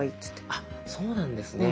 あそうなんですね。